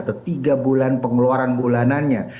atau tiga bulan pengeluaran bulanannya